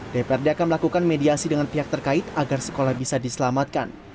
dprd akan melakukan mediasi dengan pihak terkait agar sekolah bisa diselamatkan